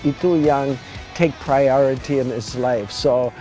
itu yang mengambil prioritas dalam hidupnya